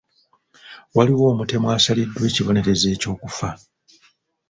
Waliwo omutemu asaliddwa ekibonerezo eky'okufa.